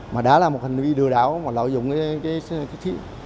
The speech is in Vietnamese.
mà đã là một hành vi lừa đảo mà lợi dụng cái thiết